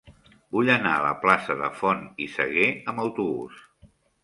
Vull anar a la plaça de Font i Sagué amb autobús.